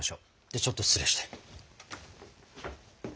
ではちょっと失礼して。